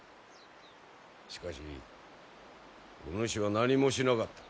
しかしお主は何もしなかった。